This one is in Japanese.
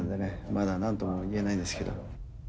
まだ何とも言えないですけど。